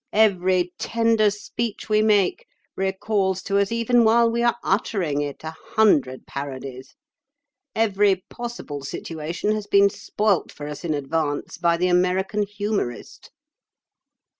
Every tender speech we make recalls to us even while we are uttering it a hundred parodies. Every possible situation has been spoilt for us in advance by the American humorist."